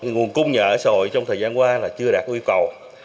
nguồn cung nhà ở xã hội trong thời gian qua là chưa đạt yêu cầu